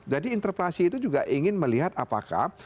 jadi interpelasi itu juga ingin melihat apakah